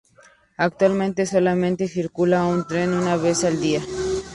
Actualmente, solamente circula un tren una vez al día.